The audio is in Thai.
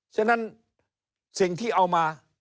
ฉะนั้นสิ่งที่เอามา